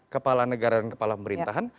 kepala negara dan kepala pemerintahan